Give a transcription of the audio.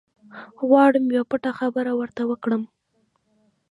غواړم یوه پټه خبره ورته وکړم.